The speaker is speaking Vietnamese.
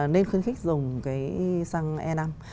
nên khuyến khích dùng cái xăng e năm